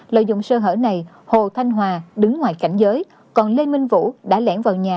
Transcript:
lợi dụng sơ hở này hồ thanh hòa đứng ngoài cảnh giới còn lê minh vũ đã lẻn vào nhà